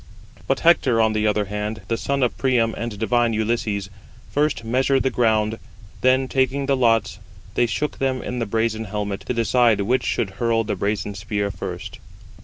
But Hector on the other hand, the son of Priam, and divine Ulysses, first measured the ground; then taking the lots, they shook them in the brazen helmet, [to decide] which should hurl the brazen spear first.